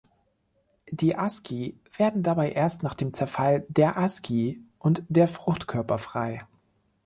Die Asci werden dabei erst nach dem Zerfall der Asci und der Fruchtkörper frei.